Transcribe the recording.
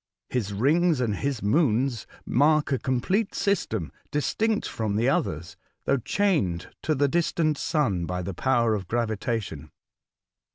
His rings and his moons mark a complete system, distinct from the others, though chained to the distant sun by the power of gravitation.